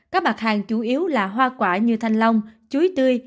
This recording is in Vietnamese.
các mặt hàng chủ yếu là hoa quả như thanh long chuối tươi